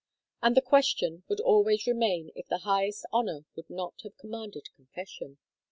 And the question would always remain if the highest honor would not have commanded confession.